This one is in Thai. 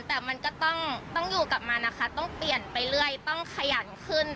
แต่มันก็ต้องอยู่กลับมานะคะต้องเปลี่ยนไปเรื่อยต้องขยันขึ้น